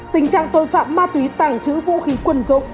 tình trạng tội phạm ma túy tàng trữ vũ khí quân dụng